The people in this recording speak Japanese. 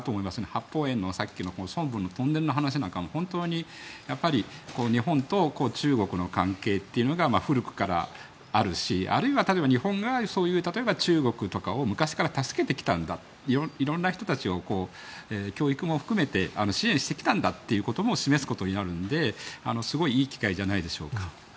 八芳園の、さっきの孫文のトンネルの話なんかも本当に日本と中国の関係というのが古くからあるしあるいは例えば日本が中国とかを昔から助けてきたんだ色んな人たちを、教育も含めて支援してきたんだということも示すことになるのですごいいい機会じゃないでしょうか。